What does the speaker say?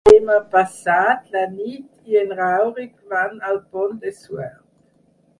Demà passat na Nit i en Rauric van al Pont de Suert.